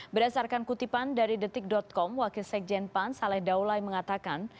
berdasarkan kutipan dari detik com wakil sekjen pan saleh daulai mengatakan